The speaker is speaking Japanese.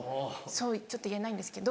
ちょっと言えないんですけど。